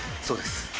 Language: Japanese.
そうです。